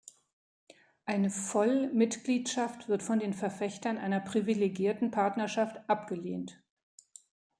Eine Vollmitgliedschaft wird von den Verfechtern einer privilegierten Partnerschaft abgelehnt.